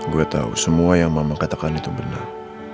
gue tahu semua yang mama katakan itu benar